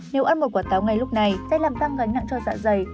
nếu ăn một quả táo ngay lúc này sẽ làm tăng gánh nặng cho dạng giày